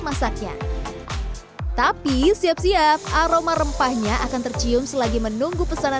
masaknya tapi siap siap aroma rempahnya akan tercium selagi menunggu pesanan